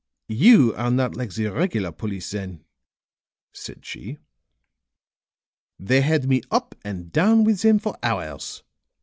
"You are not like the regular police, then," said she. "They had me up and down with them for hours.